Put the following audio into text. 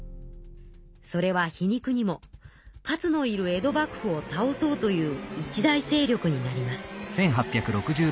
それは皮肉にも勝のいる江戸幕府をたおそうという一大勢力になります。